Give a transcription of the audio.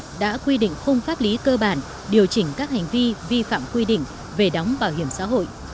tổ chức luật đã quy định không pháp lý cơ bản điều chỉnh các hành vi vi phạm quy định về đóng bảo hiểm xã hội